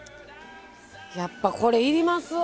やっぱりこれ、いりますね！